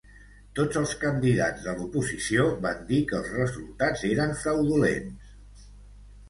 Tots els candidats de l'oposició van dir que els resultats eren fraudulents.